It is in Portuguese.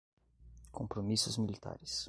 compromissos militares